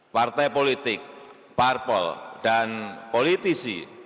partai politik parpol dan politisi